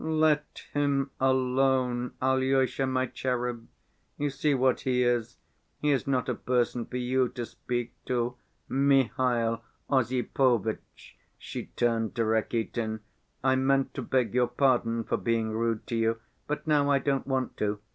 "Let him alone, Alyosha, my cherub; you see what he is, he is not a person for you to speak to. Mihail Osipovitch," she turned to Rakitin, "I meant to beg your pardon for being rude to you, but now I don't want to.